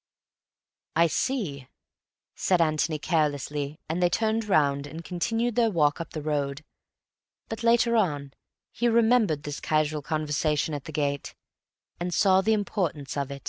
"I see," said Antony carelessly, and they turned round and continued their walk up to the road. But later on he remembered this casual conversation at the gate, and saw the importance of it.